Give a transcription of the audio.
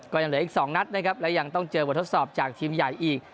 ก็ยังเหลืออีก๒นัดนะครับและยังต้องเจอบททดสอบจากทีมใหญ่อีก